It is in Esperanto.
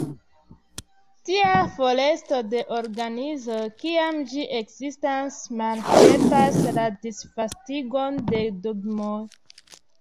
Tia foresto de organizo, kiam ĝi ekzistas, malhelpas la disvastigon de dogmoj.